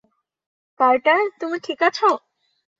Carter, তুমি ঠিক আছো?